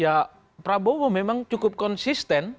ya prabowo memang cukup konsisten